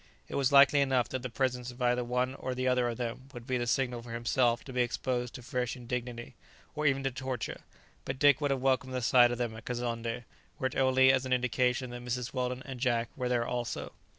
It was likely enough that the presence of either one or the other of them would be the signal for himself to be exposed to fresh indignity, or even to torture, but Dick would have welcomed the sight of them at Kazonndé, were it only as an indication that Mrs. Weldon and Jack were there also.